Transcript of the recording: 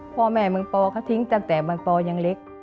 พ่อแม่มึงปอเขาทิ้งตั้งแต่มันปอยังเล็ก